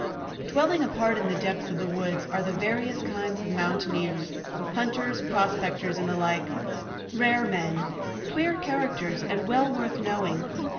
Dwelling apart in the depths of the woods are the various kinds of mountaineers,—hunters, prospectors, and the like,—rare men, "queer characters," and well worth knowing.